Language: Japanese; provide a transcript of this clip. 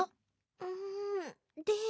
うんでも。